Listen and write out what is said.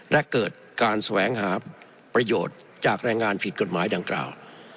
และเกิดการแสวงหาประโยชน์จากแรงงานผิดกฎหมายดังกล่าว